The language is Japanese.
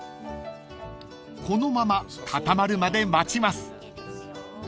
［このまま固まるまで待ちます］